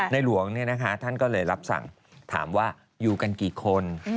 หลวงท่านก็เลยรับสั่งถามว่าอยู่กันกี่คน